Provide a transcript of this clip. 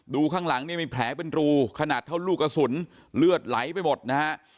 ข้างหลังนี่มีแผลเป็นรูขนาดเท่าลูกกระสุนเลือดไหลไปหมดนะฮะ